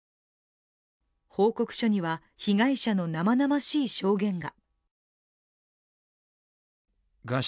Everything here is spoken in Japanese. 報告書には、被害者の生々しい証言が。